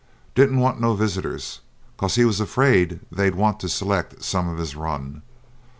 Didn't want no visitors, 'cos he was afraid they'd want to select some of his run.